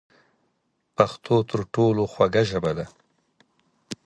پښتو تر ټولو خوږه ژبه ده.